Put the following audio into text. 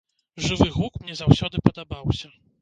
Жывы гук мне заўсёды падабаўся.